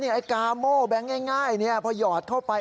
นี่ไอ้กาโมแบงค์แง่พอหยอดเข้าไป